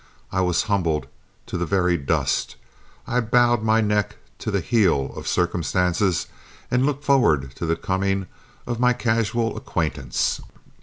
I was humbled to the very dust; I bowed my neck to the heel of circumstances, and looked forward to the coming of my casual acquaintance.